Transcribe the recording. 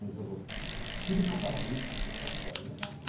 切り方まで意識したことありますか？